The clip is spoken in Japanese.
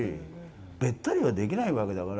べったりはできないわけだから。